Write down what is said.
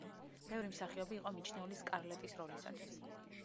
ბევრი მსახიობი იყო მიჩნეული სკარლეტის როლისათვის.